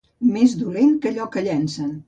Més dolent que allò que llencen.